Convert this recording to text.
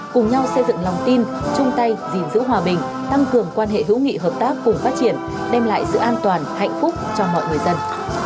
cùng nhau xây dựng lòng tin chung tay gìn giữ hòa bình tăng cường quan hệ hữu nghị hợp tác cùng phát triển đem lại sự an toàn hạnh phúc cho mọi người dân